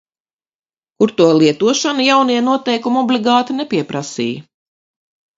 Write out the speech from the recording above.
Kur to lietošanu jaunie noteikumi obligāti nepieprasīja.